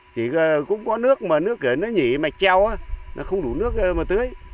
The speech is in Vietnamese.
chỉ cũng có nước mà nước kia nó nhỉ mạch treo nó không đủ nước mà tưới